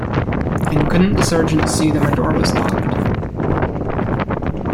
And couldn't the sergeant see that my door was locked?